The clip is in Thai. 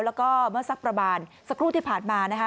แล้วก็เมื่อสักประมาณสักครู่ที่ผ่านมานะคะ